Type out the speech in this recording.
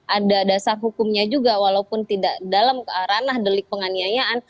ada dasar hukumnya juga walaupun tidak dalam ranah delik penganiayaan